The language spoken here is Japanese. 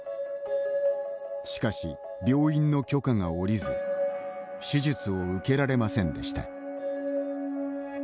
しかし、病院の許可が下りず手術を受けられませんでした。